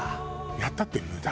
やったって無駄。